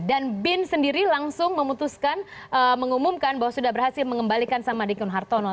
dan bin sendiri langsung memutuskan mengumumkan bahwa sudah berhasil mengembalikan samadikun hartono